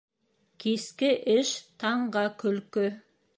Киске эш таңға көлкө.